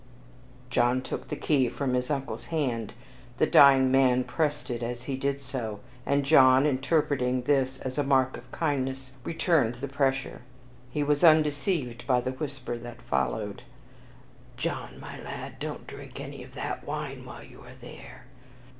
John took the key from his uncle's hand; the dying man pressed it as he did so, and John, interpreting this as a mark of kindness, returned the pressure. He was undeceived by the whisper that followed, "John, my lad, don't drink any of that wine while you are there."